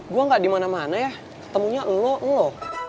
gue gak dimana mana ya ketemunya elo elo